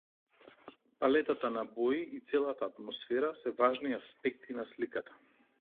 Палетата на бои и целата атмосфера се важни аспекти на сликата.